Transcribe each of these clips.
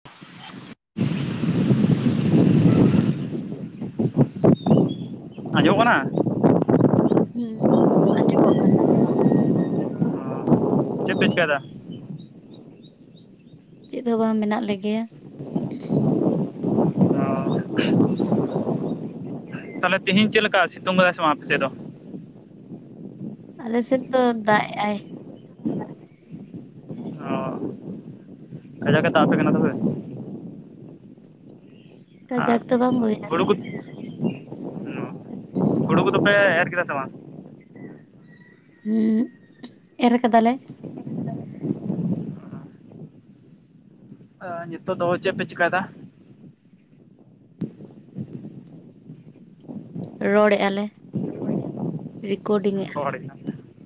[inaudible] [unintelligible] ᱟᱸᱡᱚᱢᱚᱜ ᱠᱟᱱᱟ? ᱦᱩᱸᱻ, ᱟᱸᱡᱚᱢᱚᱜ ᱠᱟᱱᱟ ᱾ ᱪᱮᱫ ᱯᱮ, ᱪᱤᱠᱟ ᱮᱫᱟ? ᱪᱮᱫ ᱦᱚᱸ ᱵᱟᱝ, ᱢᱮᱱᱟᱜ ᱞᱮᱜᱮᱭᱟ ᱾ ᱚ ᱛᱟᱦᱚᱞᱮ, ᱛᱮᱦᱮᱧ ᱪᱮᱫ ᱞᱮᱠᱟ? ᱥᱤᱛᱩᱝ ᱟᱠᱟᱫᱟᱭ ᱥᱮ ᱵᱟᱝ, ᱟᱯᱮ ᱥᱮᱫ ᱫᱚ? ᱟᱞᱮ ᱥᱮᱫ ᱫᱚ, ᱫᱟᱜ ᱮᱜᱼᱟᱭ ᱾ ᱦᱮᱸ [unintelligible] ᱠᱟᱡᱟᱠ ᱮ, ᱫᱟᱜ ᱟᱯᱮ ᱠᱟᱱᱟ, ᱛᱚᱵᱮ ᱾ ᱟᱨ ᱠᱟᱡᱟᱠ ᱫᱚ ᱵᱟᱝ, ᱵᱟ. ᱭᱱᱟ ᱾ ᱦᱩᱲᱩ ᱠᱚ [unintelligible] ᱠᱟᱵᱩ ᱫᱚᱯᱮ, ᱮᱨ ᱠᱮᱫᱟ ᱥᱮ ᱵᱟᱝ? ᱦᱩᱸᱻ, ᱮᱨ ᱟᱠᱟᱫᱟᱞᱮ ᱾ ᱟᱻ, ᱱᱤᱛᱚᱜ ᱫᱚ, ᱪᱮᱫ ᱯᱮ ᱪᱤᱠᱟ ᱭᱮᱫᱟ? ᱨᱚᱲᱮᱜᱼᱟ ᱞᱮ ᱨᱮᱠᱳᱰᱤᱝ ᱮᱜᱼᱞᱮ᱾ ᱦᱚᱲ [inaudible]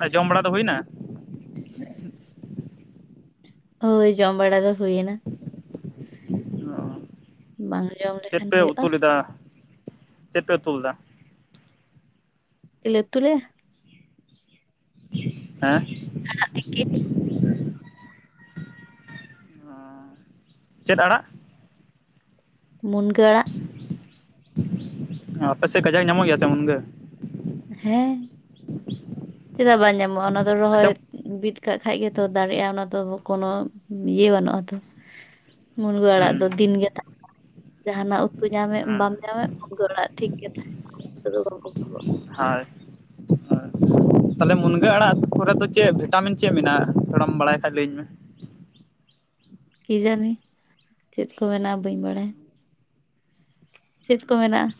ᱠᱟᱱᱟ ᱡᱚᱢ ᱵᱟᱲᱟ ᱫᱚ ᱦᱩᱭᱱᱟ ᱦᱳᱭ ᱡᱚᱢ ᱵᱟᱲᱟ ᱫᱚ ᱦᱩᱭᱮᱱᱟ᱾ ᱚ ᱵᱟᱝ ᱡᱚᱢ ᱪᱮᱫ ᱞᱮᱠᱷᱟᱱ ᱯᱮ ᱦᱩᱭᱩᱜᱼᱟ ᱩᱛᱩ ᱞᱮᱫᱟ? ᱪᱮᱫ ᱯᱮ ᱩᱛᱩ ᱞᱮᱫᱟ? ᱪᱮᱫ ᱞᱮ ᱩᱛᱩ ᱞᱮ ᱟ? ᱦᱮᱸ᱾ ᱚ ᱪᱮᱫ ᱟᱲᱟᱜ? ᱢᱩᱱᱜᱟᱹ ᱟᱲᱟᱜ᱾ ᱟᱯᱮᱥᱮᱜ ᱠᱟᱡᱟᱠ ᱧᱟᱢᱚᱜ ᱜᱮᱭᱟ ᱥᱮ ᱢᱩᱱᱜᱟᱹ? ᱦᱮᱸ ᱪᱮᱫᱟᱜ ᱵᱟᱝ ᱧᱟᱢᱚᱜᱼᱟ ᱚᱱᱟ ᱫᱚ ᱟᱪᱪᱷᱟ ᱨᱚᱦᱚᱭ ᱵᱤᱫ ᱠᱟᱜ ᱠᱷᱟᱡ ᱜᱮᱛᱚ ᱫᱟᱨᱮᱜᱼᱟ ᱚᱱᱟ ᱫᱚ ᱠᱳᱱᱳ ᱤᱭᱟᱹ ᱵᱟᱹᱱᱩᱜᱼᱟ ᱛᱚ᱾ ᱢᱩᱱᱜᱟᱹ ᱦᱩᱸ ᱟᱲᱟᱜ ᱫᱚ ᱫᱤᱱᱜᱮ [unintelligible] ᱡᱟᱦᱟᱸᱱᱟᱜ ᱩ ᱛᱩ ᱧᱟᱢᱮᱫ ᱵᱟᱢ ᱦᱮᱸ ᱧᱟᱢᱮᱫ ᱢᱩᱱᱜᱟᱹ ᱚᱲᱟᱜ ᱴᱷᱤᱠ ᱜᱮ [inaudible] ᱦᱳᱭ᱾ [inaudible] ᱛᱟᱦᱚᱞᱮ ᱢᱩᱱᱜᱟᱹ ᱟᱲᱟᱜ ᱠᱚᱨᱮ ᱫᱚ ᱪᱮᱫ ᱵᱷᱤᱴᱟᱢᱤᱱ ᱪᱮᱫ ᱢᱮᱱᱟᱜᱼᱟ ᱛᱷᱚᱲᱟᱢ ᱵᱟᱲᱟᱭ ᱠᱷᱟᱡ ᱞᱟᱹᱭᱟᱹᱧ ᱢᱮ᱾ ᱠᱤ ᱡᱟᱱᱤ ᱪᱮᱫ ᱠᱚ ᱢᱮ ᱵᱟᱹᱧ ᱵᱟᱲᱟᱭᱟ᱾ ᱪᱮᱫ ᱠᱚ ᱢᱮᱱᱟᱜᱼᱟ?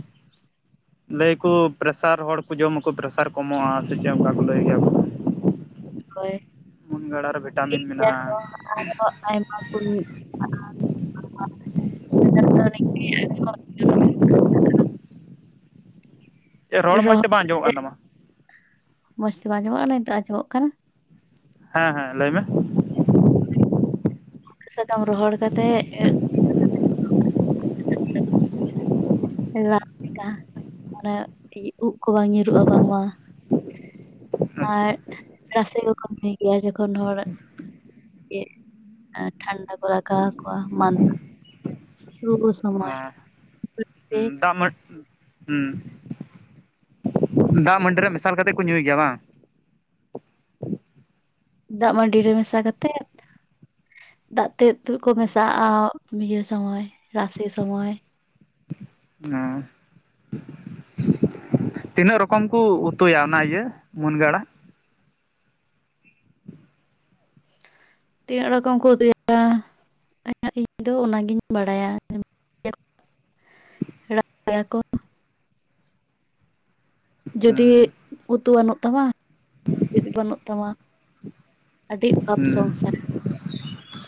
ᱞᱟᱹᱭᱟᱠᱩ ᱯᱨᱮᱥᱟᱨ ᱦᱚᱲ ᱠᱩ ᱡᱚᱢᱟᱠᱚ ᱯᱨᱮᱥᱟᱨ ᱠᱚᱢᱚᱜᱼᱟ ᱥᱮ ᱪᱮᱫ ᱚᱱᱠᱟ ᱠᱚ ᱞᱟᱹᱭ ᱜᱮᱭᱟ ᱠᱚ᱾ [inaudible] ᱦᱳᱭ ᱢᱩᱱᱜᱟᱹ ᱟᱲᱟᱜ ᱨᱮ ᱵᱷᱤᱴᱟᱢᱤᱱ ᱴᱷᱤᱠ ᱜᱮᱭᱟ ᱠᱚ ᱢᱮᱱᱟᱜᱼᱟ ᱟᱨᱦᱚ ᱟᱭᱢᱟ [inaudible] ᱨᱚᱲ ᱢᱚᱸᱡ ᱛᱮ ᱵᱟᱝ ᱟᱸᱡᱚᱢᱚᱜ ᱠᱟᱱ ᱛᱟᱢᱟ᱾ ᱢᱚᱡᱛᱮ ᱵᱟᱝ ᱟᱡᱚᱢᱚᱜᱼᱟ ᱠᱟᱱᱟ? ᱱᱤᱛᱚᱜ ᱟᱸᱡᱚᱢᱚᱜ ᱠᱟᱱᱟ? ᱦᱮᱸ ᱦᱮᱸ ᱞᱟᱹᱭ ᱢᱮ᱾ ᱢᱩᱱᱜᱟᱹ ᱥᱟᱠᱟᱢ ᱨᱚᱦᱚᱲ ᱠᱟᱛᱮ [inaudible] [inaudible] ᱨᱟᱜ ᱞᱮᱠᱟ ᱚᱱᱮ [unintelligible] ᱩᱵ ᱠᱚ ᱵᱟᱝ ᱧᱩᱨᱩᱜᱼᱟ ᱵᱟᱝᱢᱟ᱾ ᱚ ᱟᱨ ᱨᱟᱥᱮ ᱠᱚᱠᱚ ᱧᱩᱭ ᱜᱮᱭᱟ ᱡᱚᱠᱷᱚᱱ ᱦᱚᱲ ᱪᱮᱫ ᱴᱷᱟᱱᱰᱟ ᱠᱚ ᱞᱟᱜᱟᱣ ᱟᱠᱚᱣᱟ ᱢᱟᱱᱫᱟ ᱨᱩᱣᱟᱹ ᱥᱚᱢᱳᱭ᱾ ᱦᱩᱸ ᱫᱟᱜ ᱢᱟ ᱦᱩᱸ ᱫᱟᱜ ᱢᱟᱹᱰᱤ ᱨᱮ ᱢᱮᱥᱟᱞ ᱠᱟᱛᱮᱜ ᱠᱚ ᱧᱩᱭ ᱜᱮᱭᱟ ᱵᱟᱝ? ᱫᱟᱜ ᱢᱟᱹᱰᱤ ᱨᱮ ᱢᱮᱥᱟ ᱠᱟᱛᱮᱫ ᱫᱟᱜ ᱛᱮᱫ ᱛᱚᱵᱮᱠᱚ ᱢᱮᱥᱟᱜᱼᱟ ᱵᱤᱭᱟᱹ ᱥᱚᱢᱚᱭ ᱨᱟᱥᱮ ᱥᱚᱢᱚᱭ᱾ ᱚᱸ᱾ ᱛᱤᱱᱟᱹᱜ ᱨᱚᱠᱚᱢ ᱠᱩ ᱩᱛᱩᱭᱟ ᱚᱱᱟ ᱤᱭᱟᱹ ᱢᱩᱱᱜᱟᱹ ᱟᱲᱟᱜ? ᱛᱤᱱᱟᱹᱜ ᱨᱚᱠᱚᱢ ᱠᱚ ᱩᱛᱩᱭᱟ ᱤᱧ ᱫᱚ ᱚᱱᱟᱜᱤᱧ ᱵᱟᱲᱟᱭᱟ᱾ ᱡᱩᱫᱤ ᱦᱩᱸ ᱩᱛᱩ ᱵᱟᱹᱱᱩᱜ ᱛᱟᱢᱟ [unintelligible] ᱵᱟᱹᱱᱩᱜ ᱛᱟᱢᱟ, ᱟᱹᱰᱤ ᱚᱵᱷᱟᱵ ᱦᱩᱸ ᱥᱚᱝᱥᱟᱨ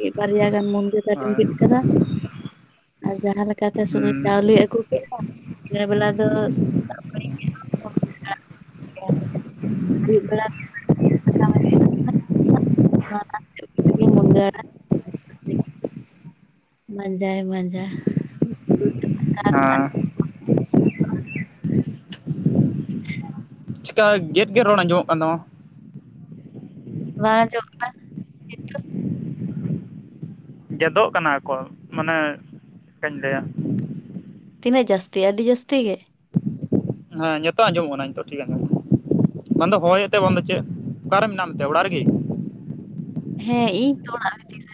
ᱮ ᱵᱟᱨᱭᱟ ᱜᱟᱱ ᱢᱩᱱᱜᱟᱹ ᱫᱟᱨᱮᱢ ᱦᱳᱭ ᱵᱤᱫ ᱠᱟᱫᱟ, ᱟᱨ ᱡᱟᱦᱟᱸ ᱞᱮᱠᱟᱛᱮ ᱥᱩᱫᱷᱩ ᱦᱩᱸ ᱪᱟᱣᱞᱮ ᱟᱹᱜᱩ ᱠᱮᱫᱟ ᱫᱤᱱᱮᱨ ᱵᱮᱞᱟ ᱫᱚ [inaudible] ᱲᱟ ᱢᱤᱫᱵᱮᱲᱟ ᱠᱟᱛᱮ ᱢᱩ [unintelligible] ᱢᱚᱡᱟᱭ ᱢᱚᱡᱟ ᱦᱮᱸ [unintelligible] ᱪᱮᱠᱟ ᱜᱮᱫ ᱜᱮᱫ ᱨᱚᱲ ᱟᱸᱡᱚᱢᱚᱜ ᱠᱟᱱ ᱛᱟᱢᱟ? [unintelligible] ᱜᱮᱫᱚᱜ ᱠᱟᱱᱟ ᱠᱚᱞ ᱢᱟᱱᱮ ᱪᱮᱫᱠᱟᱧ ᱞᱟᱹᱭᱟ ᱛᱤᱱᱟᱹᱜ ᱡᱟᱹᱥᱛᱤ ᱟᱹᱰᱤ ᱡᱟᱹᱥᱛᱤ ᱜᱮ? ᱦᱮᱸ ᱱᱤᱛᱚᱜ ᱟᱸᱡᱚᱢᱚᱜ ᱠᱟᱱᱟ ᱱᱤᱛᱚ ᱴᱷᱤᱠ ᱟᱸᱡᱚᱢᱚᱜᱼᱟᱠᱟᱱᱟ᱾ ᱵᱟᱝ ᱫᱚ ᱦᱚᱭ ᱮᱫ ᱛᱮ ᱵᱟᱝ ᱫᱚ ᱪᱮᱫ? ᱚᱠᱟᱨᱮ ᱢᱮᱱᱟᱜ ᱢᱮᱛᱮ ᱚᱲᱟᱜ ᱨᱮᱜᱮ? ᱦᱮᱸ ᱤᱧ ᱛᱚ ᱚᱲᱟᱜ ᱵᱷᱤᱛᱤᱨ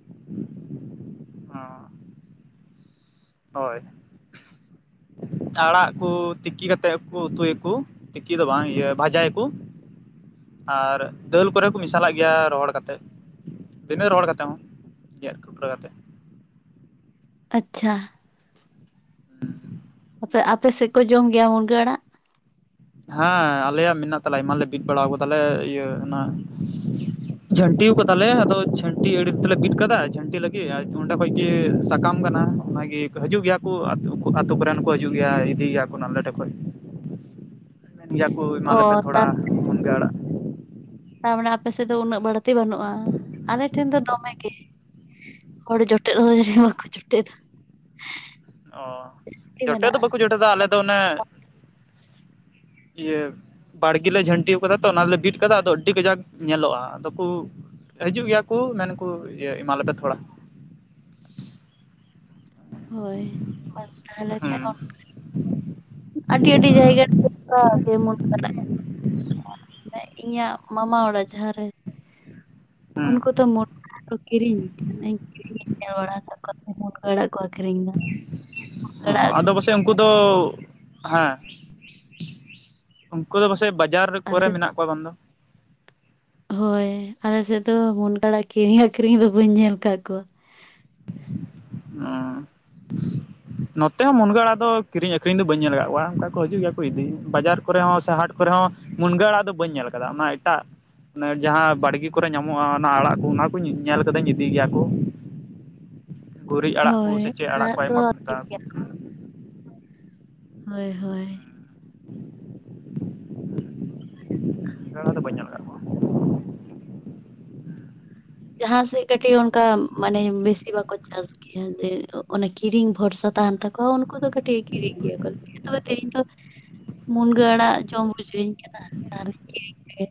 ᱚᱸ᱾ ᱦᱳᱭ ᱟᱲᱟᱜ ᱠᱚ ᱛᱤᱠᱤ ᱠᱟᱛᱮᱫ ᱠᱚ ᱩᱛᱩᱭ ᱟᱠᱚ᱾ ᱛᱤᱠᱤ ᱫᱚ ᱵᱟᱝ ᱤᱭᱟᱹ ᱵᱷᱟᱡᱟᱭᱟ ᱠᱚ᱾ ᱟᱨ ᱫᱟᱹᱞ ᱠᱚᱨᱮ ᱠᱚ ᱢᱮᱥᱟᱞᱟᱜ ᱜᱮᱭᱟ ᱨᱚᱦᱚᱲ ᱠᱟᱛᱮᱫ᱾ ᱵᱤᱱᱟᱹ ᱨᱚᱦᱚᱲ ᱠᱟᱛᱮᱫ ᱦᱚᱸ ᱜᱮᱫ ᱠᱩᱴᱨᱟᱹ ᱠᱟᱛᱮ ᱟᱪᱪᱷᱟ᱾ ᱦᱩ᱾ ᱟᱯᱮ ᱟᱯᱮ ᱥᱮᱫ ᱠᱚ ᱡᱚᱢ ᱜᱮᱭᱟ ᱢᱩᱱᱜᱟᱹ ᱟᱲᱟᱜ? ᱦᱮᱸ ᱟᱞᱮᱭᱟᱜ ᱢᱮᱱᱟᱜ ᱛᱟᱞᱮ ᱟᱭᱢᱟ ᱞᱮ ᱵᱤᱫ ᱵᱟᱲᱟᱣ ᱠᱟᱫᱟᱞᱮ ᱤᱭᱟᱹ ᱚᱱᱟ ᱡᱷᱟᱹᱱᱴᱤᱣ ᱠᱟᱫᱟᱞᱮ ᱟᱫᱚ ᱡᱷᱟᱹᱱᱴᱤ ᱟᱹᱲᱮ ᱛᱮᱞᱮ ᱵᱤᱫ ᱠᱟᱫᱟ, ᱡᱷᱟᱹᱱᱴᱤ ᱞᱟᱹᱜᱤᱫ ᱟᱨ ᱠᱤ ᱚᱸᱰᱮ ᱠᱷᱚᱡ ᱜᱮ ᱥᱟᱠᱟᱢ ᱠᱟᱱᱟ᱾ ᱚᱱᱟ ᱜᱮ ᱦᱤᱡᱩᱜ ᱜᱮᱭᱟ ᱠᱚ ᱟᱹᱛᱩ ᱠᱚᱨᱮᱱ ᱠᱚ ᱦᱤᱡᱩᱜ ᱜᱮᱭᱟ᱾ ᱤᱫᱤ ᱜᱮᱭᱟ ᱠᱚ ᱟᱞᱮ ᱴᱷᱮᱱ ᱠᱷᱚᱡ᱾ ᱢᱮᱱ ᱜᱮᱭᱟ ᱠᱚ ᱚ ᱮᱢᱟᱞᱮᱯᱮ ᱛᱷᱚᱲᱟ ᱛᱟᱨ ᱢᱩᱱᱜᱟᱹ ᱟᱲᱟᱜ᱾ ᱛᱟᱨᱢᱟᱱᱮ ᱟᱯᱮ ᱥᱮᱫ ᱫᱚ ᱩᱱᱟᱹᱜ ᱵᱟᱹᱲᱛᱤ ᱵᱟᱹᱱᱩᱜᱼᱟ᱾ ᱟᱞᱮ ᱴᱷᱮᱱ ᱫᱚ ᱫᱚᱢᱮ ᱜᱮ᱾ ᱦᱚᱲ ᱡᱚᱴᱮᱫ ᱦᱚᱸ ᱡᱟᱹᱱᱤᱡ ᱵᱟᱠᱚ ᱡᱚᱴᱮᱫᱟ᱾ ᱚ ᱟᱹᱰᱤ ᱡᱚᱴᱮᱫ ᱫᱚ ᱢᱮᱱᱟᱜᱼᱟ ᱵᱟᱠᱚ ᱡᱚᱴᱮᱫᱟ ᱟᱞᱮ ᱫᱚ ᱚᱱᱮ ᱤᱭᱟᱹ ᱵᱟᱲᱜᱮ ᱞᱮ ᱡᱷᱟᱹᱱᱴᱤᱣ ᱠᱟᱫᱟ ᱛᱚ, ᱚᱱᱟᱞᱮ ᱵᱤᱫ ᱠᱟᱫᱟ ᱟᱫᱚ ᱟᱹᱰᱤ ᱠᱟᱡᱟᱠ ᱧᱮᱞᱚᱜᱼᱟ᱾ ᱟᱫᱚ ᱠᱚ ᱦᱤᱡᱩᱜ ᱜᱮᱭᱟ ᱠᱚ, ᱢᱮᱱ ᱟᱠᱚ ᱤᱭᱟᱹ ᱮᱢᱟᱞᱮᱯᱮ ᱛᱷᱚᱲᱟ᱾ ᱦᱳᱭ ᱵᱟᱝ ᱛᱟᱦᱚᱞᱮ ᱠᱷᱟᱱ ᱦᱩᱸ ᱚᱱᱠᱟ ᱟᱹᱰᱤ ᱟᱹᱰᱤ ᱡᱟᱭᱜᱟ [unintelligible] ᱤᱧᱟᱹᱜ ᱢᱟᱢᱟ ᱚᱲᱟᱜ ᱡᱟᱦᱟᱸ ᱨᱮ ᱦᱩᱸ ᱩᱱᱠᱩ ᱛᱚ ᱠᱤᱨᱤᱧᱮ ᱠᱤᱨᱤᱧ ᱟᱠᱟᱫ ᱠᱚᱣᱟ, ᱢᱩᱱᱜᱟᱹ ᱟᱲᱟᱜ ᱠᱚ ᱟᱹᱷᱨᱤᱧ ᱮᱫᱟ᱾ ᱢᱩᱱᱜᱟᱹ ᱚ ᱟᱲᱟᱜ ᱠᱚ ᱟᱫᱚ ᱯᱟᱥᱮᱫ ᱩᱱᱠᱩ [unintelligible] ᱦᱮᱸ ᱩᱱᱠᱩ ᱫᱚ ᱯᱟᱥᱮ ᱵᱟᱡᱟᱨ ᱟᱞᱮ ᱠᱚᱨᱮ ᱥᱮᱫ ᱢᱮᱱᱟᱜ ᱚᱠᱚᱭ ᱵᱚᱱ ᱫᱚ ᱦᱳᱭ ᱟᱞᱮ ᱥᱮᱫ ᱫᱚ ᱢᱩᱱᱜᱟᱹ ᱟᱲᱟᱜ ᱠᱤᱨᱤᱧ ᱟᱠᱷᱨᱤᱧ ᱫᱚ ᱵᱟᱹᱧ ᱧᱮᱞ ᱠᱟᱫ ᱠᱚᱣᱟ᱾ ᱚᱸ᱾ ᱱᱚᱛᱮ ᱦᱚᱸ ᱢᱩᱱᱜᱟᱹ ᱟᱲᱟᱜ ᱫᱚ ᱠᱤᱨᱤᱧ ᱟᱠᱷᱨᱤᱧ ᱫᱚ ᱵᱟᱹᱧ ᱧᱮᱞ ᱠᱟᱫ ᱠᱚᱣᱟ᱾ ᱚᱱᱠᱟ ᱠᱚ ᱦᱤᱡᱩᱜ ᱜᱮᱭᱟ ᱠᱚ ᱤᱫᱤ ᱵᱟᱡᱟᱨ ᱠᱚᱨᱮ ᱦᱚᱸ ᱥᱮ ᱦᱟᱴ ᱠᱚᱨᱮ ᱦᱚᱸ ᱢᱩᱱᱜᱟᱹ ᱟᱲᱟᱜ ᱫᱚ ᱵᱟᱹᱧ ᱧᱮᱞ ᱠᱟᱫᱟ᱾ ᱚᱱᱟ ᱮᱴᱟᱜ ᱚᱱᱮ ᱡᱟᱦᱟᱸ ᱵᱟᱲᱜᱤ ᱠᱚᱨᱮ ᱧᱟᱢᱚᱜᱼᱟ᱾ ᱚᱱᱟ ᱟᱲᱟᱜ ᱠᱚ ᱚᱱᱟ ᱠᱚᱸᱧ ᱧᱮᱞ ᱠᱟᱫᱟᱹ ᱤᱧ ᱤᱫᱤ ᱜᱮᱭᱟ ᱠᱚ᱾ ᱜᱩᱨᱤᱡ ᱟᱲᱟᱜ ᱠᱚ ᱦᱳᱭ ᱥᱮ ᱪᱮᱫ ᱟᱲᱟᱜ ᱠᱚ ᱫᱚ ᱟᱭᱢᱟ ᱠᱚ ᱢᱮᱛᱟ ᱟᱠᱷᱨᱤᱧ ᱟᱠᱚ? ᱜᱮᱭᱟ ᱠᱚ, ᱦᱳᱭ ᱦᱳᱭ᱾ ᱫᱚ ᱵᱟᱹᱧ ᱧᱟᱢ ᱟᱠᱟᱫᱟ᱾ ᱡᱟᱦᱟᱸ ᱥᱮᱫ ᱠᱟᱹᱴᱤᱡ ᱚᱱᱠᱟ ᱢᱟᱱᱮ ᱵᱮᱥᱤ ᱵᱟᱠᱚ ᱪᱟᱥ ᱡᱮ ᱚᱱᱮ ᱠᱤᱨᱤᱧ ᱵᱷᱚᱨᱥᱟ ᱛᱟᱦᱮᱱ ᱛᱟᱠᱚᱣᱟ, ᱩᱱᱠᱩ ᱫᱚ ᱠᱟᱹᱴᱤᱡ ᱠᱤᱨᱤᱧ ᱜᱮᱭᱟ ᱠᱚ᱾ ᱛᱚᱵᱮ ᱛᱮᱦᱮᱧ ᱫᱚ ᱢᱩᱱᱜᱟᱹ ᱟᱲᱟᱜ ᱡᱚᱢ ᱨᱩᱡᱷᱚᱭᱧ ᱠᱟᱱᱟ ᱟᱹᱣᱨᱤᱧ ᱠᱤᱨᱤᱧ ᱠᱮᱫ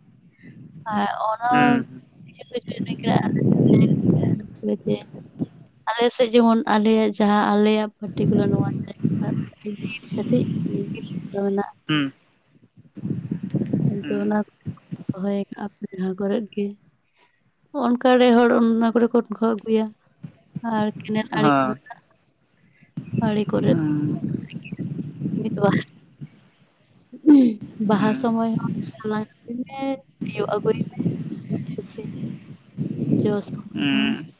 [inaudible] ᱦᱩᱸ [unintelligible] ᱟᱞᱮ ᱥᱮᱫ ᱡᱮᱢᱚᱱ ᱟᱞᱮᱭᱟᱜ ᱡᱟᱦᱟᱸ ᱟᱞᱮᱭᱟᱜ ᱯᱟᱨᱴᱤᱠᱩᱞᱟᱨ ᱱᱚᱣᱟ ᱡᱟᱭᱜᱟ [unintelligible] ᱵᱤᱨ ᱠᱟᱹᱴᱤᱡᱱᱟᱜ [unintelligible] ᱦᱩᱸ ᱦᱩᱸ ᱟᱫᱚ ᱚᱱᱟ ᱠᱚ ᱨᱚᱦᱚᱭ ᱟᱠᱟᱜ-ᱟ ᱠᱚ ᱡᱟᱦᱟᱸ ᱠᱚᱨᱮᱫ ᱜᱮ ᱚᱱᱠᱟ ᱨᱮ ᱦᱚᱲ ᱚᱱᱟ ᱠᱚᱨᱮ ᱠᱚ ᱜᱷᱚᱫ ᱟᱹᱜᱩᱭᱟ ᱟᱨ ᱤᱱᱟ. ᱦᱮᱸ ᱟᱲᱮ ᱠᱚ ᱢᱮᱱᱟᱜᱼᱟ ᱟᱲᱮ ᱠᱚᱨᱮ ᱦᱩᱸ [unintelligible] ᱜᱮᱫᱚᱜᱼᱟ [unintelligible] ᱵᱟᱦᱟ ᱥᱚᱢᱚᱭ ᱦᱚᱸ [unintelligible] ᱦᱮᱸ ᱛᱤᱭᱚᱜ ᱟᱹᱜᱩᱭ ᱢᱮ ᱠᱩᱥᱤ ᱡᱚ ᱥᱟᱶ ᱦᱩᱸ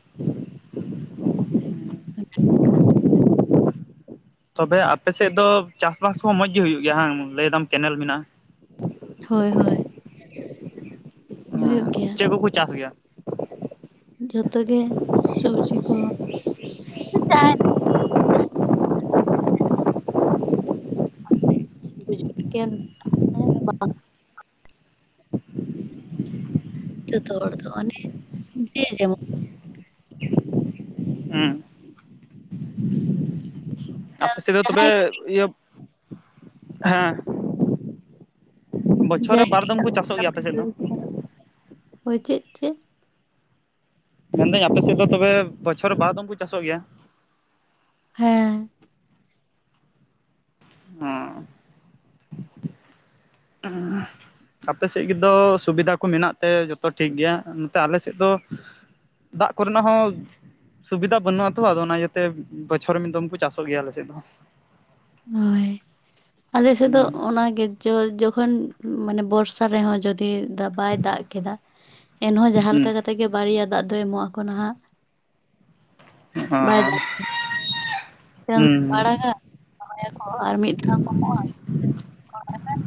ᱢᱮᱱᱟᱜ ᱟᱠᱟᱫᱼᱟ ᱛᱚᱵᱮ ᱟᱯᱮᱥᱮᱫ ᱫᱚ ᱪᱟᱥ ᱵᱟᱥ ᱦᱚᱸ ᱢᱚᱸᱡᱽ ᱜᱮ ᱦᱩᱭᱩᱜ ᱜᱮᱭᱟ ᱦᱟᱝ ᱞᱟᱹᱭ ᱮᱫᱟᱢ ᱠᱮᱱᱮᱞ ᱢᱮᱱᱟᱜᱼᱟ? ᱦᱚᱭ ᱦᱚᱭ ᱦᱩᱭᱩᱜ ᱜᱮᱭᱟ ᱪᱮᱫ ᱠᱚᱠᱚ ᱪᱟᱥ ᱜᱮᱭᱟ? ᱡᱚᱛᱚ ᱜᱮ ᱥᱚᱵᱽᱡᱤ ᱠᱚᱦᱚᱸ [unintelligible] ᱠᱚ [unintelligible] ᱡᱚᱛᱚ ᱦᱚᱲ ᱫᱚ ᱚᱱᱮ ᱡᱮ ᱡᱮᱢᱚᱱ ᱦᱩᱸ ᱟᱯᱮ ᱥᱮᱫ ᱫᱚ ᱛᱚᱵᱮ ᱡᱟᱦᱟᱸᱭ ᱤᱭᱟᱹ ᱦᱮᱸ [unintelligible] ᱵᱚᱪᱷᱚᱨ ᱨᱮ ᱵᱟᱨ ᱫᱚᱢ ᱠᱚ ᱪᱟᱥᱚᱜ ᱜᱮᱭᱟ ᱟᱯᱮ ᱥᱮᱫ ᱫᱚ [unintelligible] ᱦᱳᱭ ᱪᱮᱫ ᱪᱮᱫ? ᱢᱮᱱᱫᱟᱹᱧ ᱟᱯᱮ ᱥᱮᱫ ᱫᱚ ᱛᱚᱵᱮ ᱵᱚᱪᱷᱚᱨ ᱨᱮ ᱵᱟᱨ ᱫᱚᱢ ᱠᱚ ᱪᱟᱥᱚᱜ ᱜᱮᱭᱟ? ᱦᱮᱸ ᱚᱸᱻ ᱩᱸᱦ ᱟᱯᱮ ᱥᱮᱫ ᱫᱚ ᱥᱩᱵᱤᱫᱷᱟ ᱠᱚ ᱢᱮᱱᱟᱜ ᱛᱮ ᱡᱚᱛᱚ ᱴᱷᱤᱠ ᱜᱮᱭᱟ ᱱᱚᱛᱮ ᱟᱞᱮ ᱥᱮᱫ ᱫᱚ ᱫᱟᱜ ᱠᱚᱨᱮᱱᱟᱜ ᱦᱚᱸ ᱥᱩᱵᱤᱫᱷᱟ ᱵᱟᱹᱱᱩᱜ-ᱟ ᱛᱚ ᱟᱫᱚ ᱚᱱᱟ ᱤᱭᱟᱹᱛᱮ ᱵᱚᱪᱷᱚᱨ ᱨᱮ ᱢᱤᱫ ᱫᱚᱢ ᱠᱚ ᱪᱟᱥᱚᱜ ᱜᱮᱭᱟ ᱟᱞᱮᱥᱮᱫ ᱫᱚ ᱦᱚᱭ ᱟᱞᱮ ᱥᱮᱫ ᱫᱚ ᱦᱩᱸ ᱚᱱᱟᱜᱮ ᱡᱚ ᱡᱚᱠᱷᱚᱱ ᱢᱟᱱᱮ ᱵᱚᱨᱥᱟ ᱨᱮᱦᱚᱸ ᱡᱩᱫᱤ ᱫᱟᱜ ᱵᱟᱭ ᱫᱟᱜ ᱠᱮᱫᱟ ᱮᱱᱦᱚᱸ ᱡᱟᱦᱟᱸ ᱦᱩᱸ ᱞᱮᱠᱟ ᱠᱟ ᱛᱮᱜᱮ ᱵᱟᱨᱭᱟ ᱫᱟᱜ ᱫᱚᱭ ᱮᱢᱚᱜ ᱟᱠᱚ ᱱᱟᱦᱟᱸᱜ ᱦᱮᱸ ᱵᱟᱭ ᱫᱟᱜ ᱦᱩᱸ [unintelligible] ᱟᱲᱟᱜᱟ ᱨᱚᱦᱚᱭᱟᱠᱚ ᱟᱨ ᱢᱤᱫ ᱫᱷᱟᱣ ᱠᱚ ᱮᱢᱚᱜᱼᱟ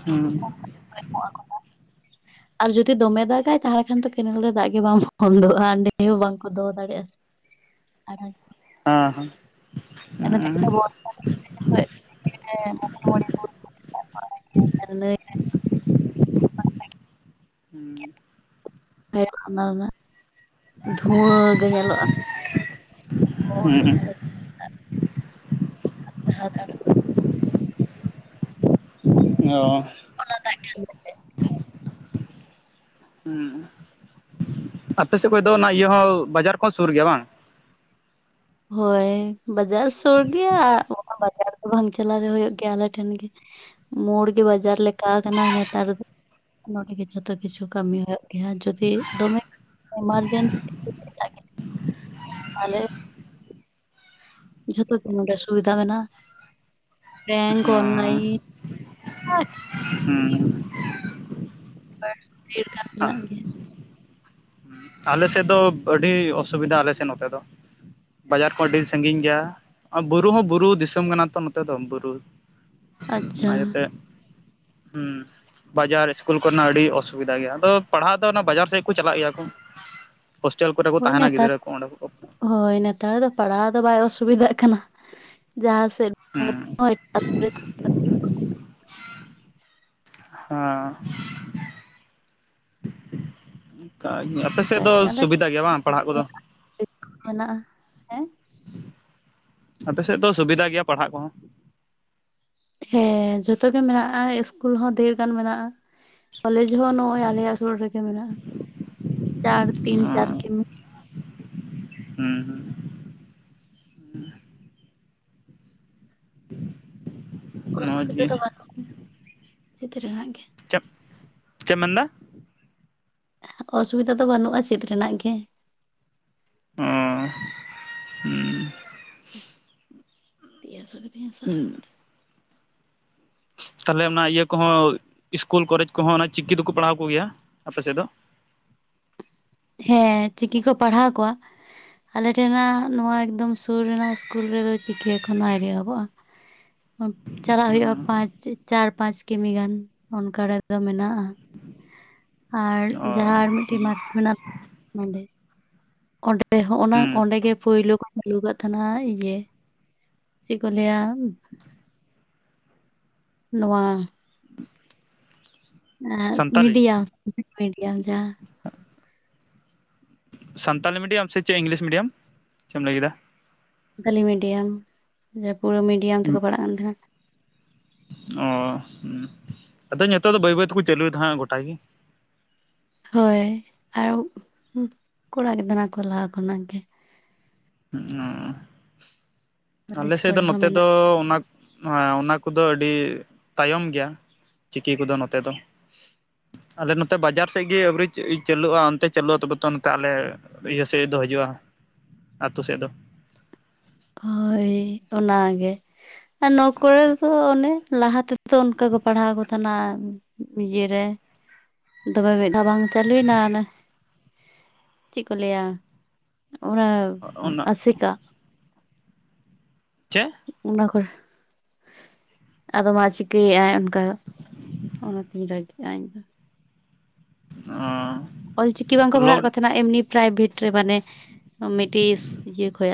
ᱦᱩᱸ ᱟᱨ ᱡᱩᱫᱤ ᱫᱚᱢᱮ ᱫᱟᱜᱟᱭ ᱛᱟᱦᱚᱞᱮ ᱠᱷᱟᱱ ᱫᱚ ᱠᱮᱱᱮᱞ ᱨᱮ ᱫᱟᱜ ᱜᱮ ᱵᱟᱝ ᱵᱚᱱᱫᱚᱜᱼᱟ ᱚᱸᱰᱮ ᱦᱚᱸ ᱵᱟᱝᱠᱚ ᱫᱚᱦᱚ ᱫᱟᱲᱮᱭᱟᱜᱼᱟ ᱥᱮ ᱟᱨ ᱦᱟᱸ ᱦᱟ ᱚᱱᱟ ᱛᱮ ᱜᱤ ᱛᱚ ᱟᱵᱳ [unintelligible] ᱦᱮᱸ [unintelligible] ᱚᱱᱟ ᱨᱮᱱᱟᱜ ᱫᱷᱩᱶᱟᱹ ᱜᱮ ᱧᱮᱞᱚᱜᱼᱟ ᱦᱩᱸ [unintelligible] [unintelligible] ᱚ᱾ ᱚᱱᱟ ᱫᱟᱜ ᱜᱮ ᱩᱸᱜ ᱩᱸ ᱟᱯᱮ ᱥᱮᱫ ᱠᱷᱚᱡ ᱫᱚ ᱚᱱᱟ ᱤᱭᱟᱹ ᱦᱚᱸ ᱵᱟᱡᱟᱨ ᱠᱚᱦᱚᱸ ᱥᱩᱨ ᱜᱮᱭᱟ ᱵᱟᱝ? ᱦᱳᱭ ᱵᱟᱡᱟᱨ ᱥᱩᱨ ᱜᱮᱭᱟ ᱚᱱᱟ ᱵᱟᱡᱟᱨ ᱫᱚ ᱵᱟᱝ ᱪᱟᱞᱟᱣ ᱨᱮ ᱦᱩᱭᱩᱜ ᱜᱮᱭᱟ ᱟᱞᱮ ᱴᱷᱮᱱ ᱜᱮ᱾ ᱢᱳᱲᱜᱮ ᱵᱟᱡᱟᱨ ᱞᱮᱠᱟ ᱠᱟᱱᱟ ᱱᱮᱛᱟᱨ ᱫᱚ ᱱᱚᱸᱰᱮ ᱜᱮ ᱡᱷᱴᱚᱛᱚ ᱠᱤᱪᱷᱩ ᱠᱟᱹᱢᱤ ᱦᱩᱭᱩᱜ ᱜᱮᱭᱟ ᱡᱩᱫᱤ ᱫᱚᱢᱮ ᱮᱢᱟᱨᱡᱮᱱᱥᱤ [inaudible] ᱛᱟᱦᱚᱞᱮ ᱡᱷᱚᱛᱚ ᱜᱮ ᱱᱚᱸᱰᱮ ᱥᱩᱵᱤᱫᱷᱟ ᱢᱮᱱᱟᱜᱼᱟ, ᱵᱮᱝᱠ, ᱚᱱᱞᱟᱭᱤᱱ ᱟᱨ ᱦᱮᱸ᱾ [unintelligible] ᱵᱤᱨ ᱠᱟᱲ ᱢᱮᱱᱟᱜ ᱜᱮᱭᱟ᱾ ᱟᱞᱮᱥᱮᱫ ᱫᱚ ᱟᱹᱰᱤ ᱚᱥᱩᱵᱤᱫᱷᱟ ᱟᱞᱮᱥᱮᱱ ᱱᱚᱛᱮ ᱫᱚ᱾ ᱵᱟᱡᱟᱨ ᱠᱚ ᱟᱹᱰᱤ ᱥᱟᱺᱜᱤᱧ ᱜᱮᱭᱟ, ᱵᱩᱨᱩ ᱦᱚᱸ ᱵᱩᱨᱩ ᱫᱤᱥᱚᱢ ᱠᱟᱱᱟ ᱛᱚ ᱱᱚᱛᱮ ᱫᱚ ᱵᱩᱨᱩ ᱟᱪᱪᱷᱟ ᱟᱭᱳ ᱛᱮᱜ ᱦᱩᱸ ᱵᱟᱡᱟᱨ ᱤᱥᱠᱩᱞ ᱠᱚᱨᱮᱱᱟᱜ ᱟᱹᱰᱤ ᱚᱥᱩᱵᱤᱫᱟ ᱜᱮᱭᱟ, ᱟᱫᱚ ᱯᱟᱲᱦᱟᱜ ᱫᱚ ᱚᱱᱟ ᱵᱟᱡᱟᱨ ᱥᱮᱫ ᱠᱚ ᱪᱟᱞᱟᱜ ᱜᱮᱭᱟ ᱠᱚ᱾ ᱦᱳᱥᱴᱮᱞ ᱠᱚᱨᱮ ᱠᱚ ᱦᱳᱭ ᱛᱟᱦᱮᱸᱱᱟ ᱱᱮᱛᱟᱨ ᱜᱤᱫᱽᱨᱟᱹ ᱠᱚ ᱚᱸᱰᱮ ᱠᱚ ᱦᱳᱭ ᱱᱮᱛᱟᱨ ᱫᱚ ᱯᱟᱲᱦᱟᱣ ᱫᱚ ᱵᱟᱭ ᱚᱥᱩᱵᱤᱫᱟᱜ ᱠᱟᱱᱟ, ᱡᱟᱦᱟ ᱦᱮᱸ᱾ ᱦᱮᱸ᱾ ᱠᱟᱜᱮ, ᱟᱯᱮ ᱥᱮᱫ ᱫᱚ ᱥᱩᱵᱤᱫᱟ ᱜᱮᱭᱟ ᱵᱟᱝ ᱯᱟᱲᱦᱟᱜ ᱠᱚᱫᱚ? [inaudible] ᱦᱮᱱᱟᱜᱼᱟ᱾ ᱟᱯᱮ ᱥᱮᱫ ᱫᱚ ᱥᱩᱵᱤᱫᱟ ᱜᱮᱭᱟ ᱯᱟᱲᱦᱟᱜ ᱠᱚᱦᱚᱸ᱾ ᱦᱮᱸ ᱡᱷᱚᱛᱚ ᱜᱮ ᱢᱮᱱᱟᱜᱼᱟ ᱤᱥᱠᱩᱞ ᱦᱚᱸ ᱰᱷᱮᱨ ᱜᱟᱱ ᱢᱮᱱᱟᱜᱼᱟ᱾ ᱠᱚᱞᱮᱡ ᱦᱚᱸ ᱱᱚᱜᱼᱚᱭ ᱟᱞᱮᱭᱟᱜ ᱥᱩᱨ ᱨᱮᱜᱮ ᱢᱮᱱᱟᱜᱼᱟ, ᱪᱟᱨ ᱛᱤᱱ ᱪᱟᱨ ᱠᱮᱢᱤ ᱦᱩᱸ ᱦᱩᱸ ᱦᱩᱸ᱾ ᱢᱚᱡ ᱜᱤ᱾ ᱪᱮᱛᱮ ᱨᱮᱱᱟᱜ ᱜᱮ ᱪᱮᱯ ᱪᱮᱢ ᱢᱮᱱᱫᱟ? ᱚᱥᱩᱵᱤᱫᱟ ᱫᱚ ᱵᱟᱹᱱᱩᱜᱼᱟ ᱪᱮᱫ ᱨᱮᱱᱟᱜ ᱜᱮ᱾ ᱚ ᱩᱸ᱾ ᱛᱤ ᱦᱟᱥᱩ ᱠᱤᱫᱤᱧᱟ ᱥᱟᱵ ᱥᱟᱵ ᱦᱩᱸ ᱛᱮ᱾ ᱛᱟᱦᱚᱞᱮ ᱚᱱᱟ ᱤᱭᱟᱹ ᱠᱚᱦᱚᱸ ᱤᱥᱠᱩᱞ ᱠᱚᱞᱮᱡ ᱠᱚᱦᱚᱸ ᱚᱱᱟ ᱪᱤᱠᱤ ᱫᱚᱠᱚ ᱯᱟᱲᱦᱟᱣ ᱠᱚᱜᱮᱭᱟ ᱟᱯᱮᱥᱮᱫ ᱫᱚ? ᱦᱮᱸ ᱪᱤᱠᱤ ᱠᱚ ᱯᱟᱲᱦᱟᱣ ᱠᱚᱣᱟ, ᱟᱞᱮ ᱴᱷᱮᱱᱟᱜ ᱱᱚᱣᱟ ᱮᱠᱫᱚᱢ ᱥᱩᱨ ᱨᱮᱱᱟᱜ ᱤᱥᱠᱩᱞ ᱨᱮᱫᱚ ᱪᱤᱠᱤ ᱮᱠᱷᱚᱱ ᱚ ᱟᱹᱶᱨᱤ ᱮᱦᱚᱵᱚᱜᱼᱟ᱾ [inaudible] ᱪᱟᱞᱟᱜ ᱦᱩᱭᱩᱜᱼᱟ ᱯᱟᱸᱪ ᱪᱟᱨ ᱯᱟᱸᱪ ᱠᱤᱢᱤ ᱜᱟᱱ ᱚᱱᱠᱟ ᱨᱮᱫᱚ ᱢᱮᱱᱟᱜᱼᱟ᱾ ᱟᱨ ᱚ ᱡᱟᱦᱟᱸ ᱟᱨ ᱢᱤᱫᱴᱤᱡ ᱢᱟᱨᱠᱮᱴ ᱢᱮᱱᱟᱜ ᱱᱚᱰᱮ ᱚᱸᱰᱮ ᱰᱮ ᱦᱚᱸ ᱚᱱᱟ ᱦᱩᱸ ᱚᱸᱰᱮ ᱜᱮ ᱯᱩᱭᱞᱩ ᱠᱚ ᱠᱷᱩᱞᱟᱹᱣ ᱠᱟᱜ ᱛᱟᱦᱮᱸᱱᱟ ᱤᱭᱟᱹ ᱪᱮᱫ ᱠᱚ ᱞᱟᱹᱭᱟ ᱱᱚᱣᱟ ᱮᱸᱜ ᱥᱟᱱᱛᱟᱞᱤ ᱢᱤᱰᱤᱭᱟ ᱢᱤᱰᱤᱭᱟᱢ ᱡᱟᱦᱟᱸ ᱥᱟᱱᱛᱟᱞᱤ ᱢᱤᱰᱤᱭᱟᱢ ᱥᱮ ᱪᱮᱫ ᱤᱝᱞᱤᱥ ᱢᱤᱰᱤᱭᱟᱢ ᱪᱮᱫ ᱮᱢ ᱞᱟᱹᱭ ᱠᱮᱫᱟ? ᱥᱟᱱᱛᱟᱞᱤ ᱢᱤᱰᱤᱭᱟᱢ ᱡᱟᱯᱩᱨᱟ ᱢᱤᱰᱤᱭᱟᱢ ᱛᱮᱠᱚ ᱯᱟᱲᱦᱟᱜ ᱠᱟᱱ ᱛᱟᱦᱮᱸᱱᱟ᱾ ᱚ ᱟᱫᱚ ᱱᱤᱛᱚᱜ ᱫᱚ ᱵᱟᱹᱭ ᱵᱟᱹᱭ ᱛᱮᱠᱚ ᱪᱟᱹᱞᱩᱭᱫᱟ ᱦᱟᱸᱜ ᱜᱚᱴᱟ ᱜᱮ᱾ ᱦᱳᱭ ᱟᱨ ᱠᱚᱲᱟ ᱜᱮᱫᱟᱱᱟ ᱠᱚ ᱞᱟᱦᱟ ᱠᱷᱚᱱᱟᱜ ᱜᱮ᱾ ᱚ ᱟᱞᱮ ᱠᱚᱞᱮᱡᱽ ᱥᱮᱫ ᱠᱚᱨᱮ ᱫᱚ ᱦᱚᱸ ᱱᱚᱛᱮ ᱫᱚ ᱢᱮᱱᱟᱜ ᱚᱱᱟ ᱱᱚᱣᱟ ᱚᱱᱟ ᱠᱚᱫᱚ ᱟᱹᱰᱤ ᱛᱟᱭᱚᱢ ᱜᱮᱭᱟ ᱪᱤᱠᱤ ᱠᱚᱫᱚ ᱱᱚᱛᱮ ᱫᱚ᱾ ᱟᱞᱮ ᱱᱚᱛᱮ ᱵᱟᱡᱟᱨ ᱥᱮᱜ ᱜᱮ ᱟᱣᱨᱤ ᱪᱟᱹ ᱪᱟᱹᱞᱩᱜᱼᱟ ᱚᱱᱛᱮ ᱪᱟᱹᱞᱩᱜᱼᱟ ᱛᱚᱵᱮ ᱱᱚᱱᱛᱮ ᱟᱞᱮ ᱤᱭᱟᱹ ᱥᱮᱫ ᱫᱚ ᱦᱤᱡᱩᱜᱼᱟ᱾ ᱟᱛᱩ ᱥᱮᱫ ᱫᱚ᱾ ᱦᱳᱭ ᱚᱱᱟᱜᱮ ᱟᱨ ᱱᱚᱣᱟ ᱠᱚᱨᱮ ᱫᱚ ᱚᱱᱮ ᱞᱟᱦᱟᱛᱮ ᱛᱚ ᱚᱱᱠᱟ ᱠᱚ ᱯᱟᱲᱦᱟᱣ ᱠᱚ ᱛᱟᱦᱮᱸᱱᱟ ᱤᱭᱟ ᱨᱮ ᱫᱚᱢᱮ ᱢᱤᱫ ᱫᱷᱟᱣ ᱵᱟᱝ ᱪᱟᱹᱞᱩᱭᱱᱟ ᱚᱱᱮ ᱪᱮᱜ ᱠᱚ ᱞᱟᱹᱭᱟ ᱚᱱᱟ ᱚᱱᱟ ᱟᱥᱮᱠᱟ᱾ ᱪᱮᱜ? ᱚᱱᱟ ᱠᱚᱨᱮ᱾ ᱟᱫᱚ ᱢᱟ ᱪᱤᱠᱟᱹᱭᱮᱜᱟᱭ ᱚᱱᱠᱟ ᱫᱟ ᱚᱱᱟᱛᱤᱧ ᱨᱟᱜᱤᱜᱼᱟ ᱤᱧᱫᱚ᱾ ᱚᱻ ᱚᱞᱪᱤᱠᱤ ᱵᱟᱝᱠᱚ ᱯᱟᱲᱦᱟᱣᱮᱜ ᱠᱚ ᱛᱟᱦᱮᱸᱱᱟ ᱮᱢᱱᱤ ᱯᱨᱟᱭᱵᱷᱮᱴ ᱨᱮ ᱢᱟᱱᱮ ᱢᱤᱫᱴᱤᱡ ᱤᱭᱟᱹ ᱠᱷᱚᱭᱟᱜ?